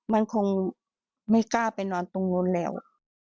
มันคงไม่กล้าไปนอนตรงนู้นแล้ว